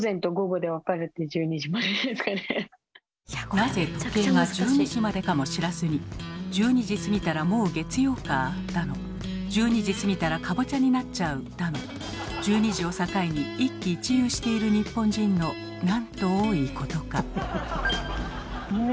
なぜ時計が１２時までかも知らずに「１２時過ぎたらもう月曜か」だの「１２時過ぎたらカボチャになっちゃう」だの１２時を境に一喜一憂している日本人のなんと多いことか。